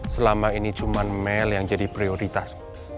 selama ini cuma mel yang jadi prioritas